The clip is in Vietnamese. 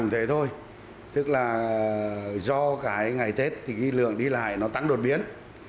theo những ngày giáp tết